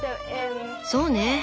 そうね